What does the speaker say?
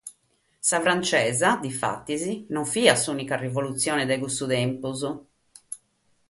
Sa frantzesa, difatis, no fiat s’ùnica rivolutzione de cussu tempus.